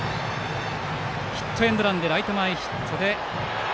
ヒットエンドランでライト前ヒット。